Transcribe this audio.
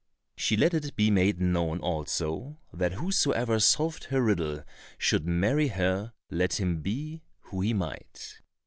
She let it be made known also that whosoever solved her riddle should marry her, let him be who he might.